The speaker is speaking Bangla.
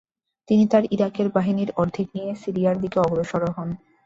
তিনি তার ইরাকের বাহিনীর অর্ধেক নিয়ে সিরিয়ার দিকে অগ্রসর হন।